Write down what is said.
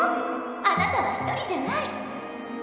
あなたはひとりじゃない！